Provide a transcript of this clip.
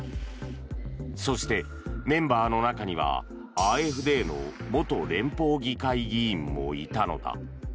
そして、メンバーの中にはＡｆＤの元連邦議会議員もいたのだ。